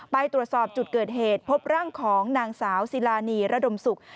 ไปตรวจสอบจุดเกิดเหตุพบร่างของนางสาวศิลานีระดมศุกร์